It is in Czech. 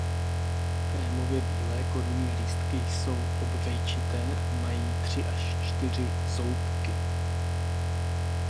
Krémově bílé korunní lístky jsou obvejčité a mají tři až čtyři zoubky.